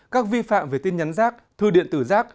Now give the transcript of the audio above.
các vi phạm về tin nhắn rác thư điện tử rác